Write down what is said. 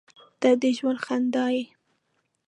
• ته د ژوند خندا یې.